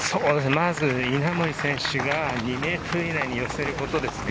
稲森選手が２ｍ以内に寄せることですね。